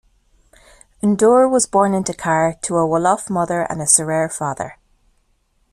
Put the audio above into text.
N'Dour was born in Dakar to a Wolof mother and a Serer father.